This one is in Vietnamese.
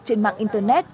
trên mạng internet